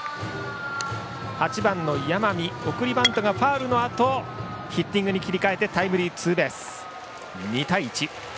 ８番、山送りバントがファウルのあとヒッティングに切り替えてタイムリーツーベースで２対１。